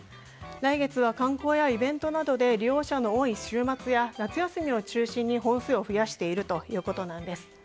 来月は観光やイベントなどで利用者の多い週末や夏休みを中心に本数を増やしているということです。